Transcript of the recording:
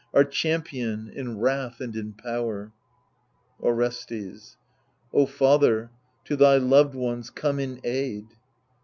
Our champion, in wrath and in power ! Orestes O father, to thy loved ones come in aid.